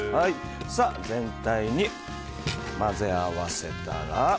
全体に混ぜ合わせたら。